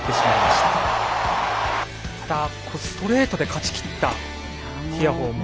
ただ、ストレートで勝ちきったティアフォーも。